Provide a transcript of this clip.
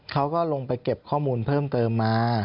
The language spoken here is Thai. เขาก็ลงไปเก็บข้อมูลเพิ่มเติมมา